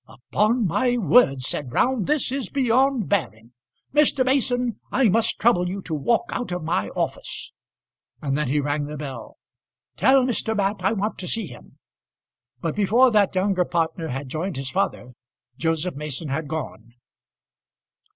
"Upon my word," said Round, "this is beyond bearing. Mr. Mason, I must trouble you to walk out of my office." And then he rang the bell. "Tell Mr. Mat I want to see him." But before that younger partner had joined his father Joseph Mason had gone.